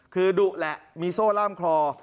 คือดุแหละมีโซ่ล่ามคลอ